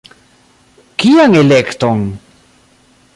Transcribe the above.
Kian elekton?